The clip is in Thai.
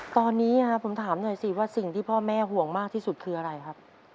ตอนนี้ผมถามหน่อยสิว่าสิ่งที่พ่อแม่ห่วงมากที่สุดคืออะไรครับ